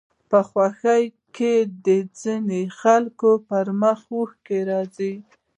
په خوښيو کې د ځينو خلکو پر مخ اوښکې راځي